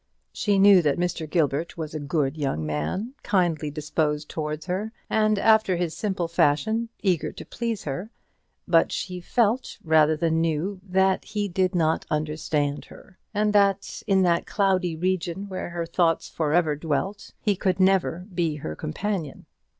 She knew that Mr. Gilbert was a good young man kindly disposed towards her, and, after his simple fashion, eager to please her; but she felt rather than knew that he did not understand her, and that in that cloudy region where her thoughts for ever dwelt he could never be her companion.